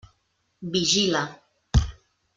Vigila.